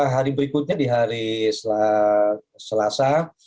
hari berikutnya di hari selasa